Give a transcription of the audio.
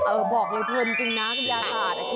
ในกิโลกรัมละ๑๒๐บาท